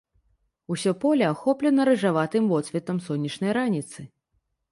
Усё поле ахоплена рыжаватым водсветам сонечнай раніцы.